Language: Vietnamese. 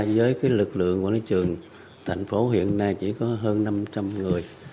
với cái lực lượng quản lý thị trường thành phố hiện nay chỉ có hơn năm trăm linh người